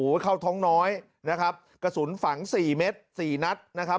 เข้าท้องน้อยนะครับกระสุนฝังสี่เม็ดสี่นัดนะครับ